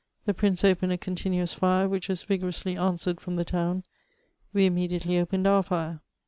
The prince opened a continuous fire, which was vi»>rously answered from the town. We immediately opened our fire.